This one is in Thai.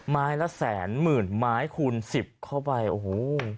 ไม้ละแสนหมื่นไม้คูณสิบเข้าไปโอ้โห